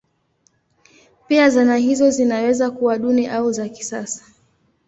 Pia zana hizo zinaweza kuwa duni au za kisasa.